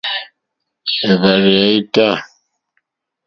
Èhvàrzù ya ita.